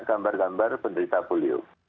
gambar gambar penderita polio